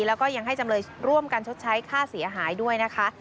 แล้วก็ยังให้จำเลยร่วมกันชดใช้ค่าเสียหายด้วยนะคะ